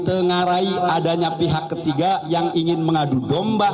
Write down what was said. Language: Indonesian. ditengarai adanya pihak ketiga yang ingin mengadu domba